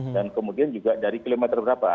dan kemudian juga dari kilometer berapa